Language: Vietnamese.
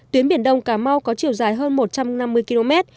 tuyến biển đông cà mau có chiều dài hơn một trăm năm mươi km